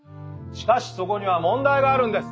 しかしそこには問題があるんです。